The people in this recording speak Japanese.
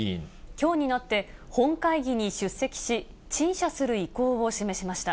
きょうになって、本会議に出席し、陳謝する意向を示しました。